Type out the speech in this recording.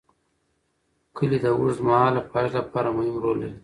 کلي د اوږدمهاله پایښت لپاره مهم رول لري.